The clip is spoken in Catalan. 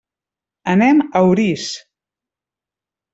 Anem a Orís.